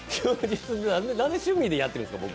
なんで趣味で僕がやってるんですか？